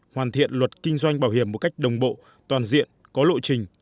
hoàn thiện luật kinh doanh bảo hiểm một cách đồng bộ toàn diện có lộ trình